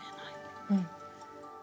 うん。